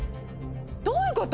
どういうこと？